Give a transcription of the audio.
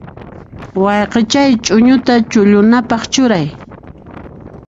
Wayqichay, ch'uñuta chullunanpaq churay.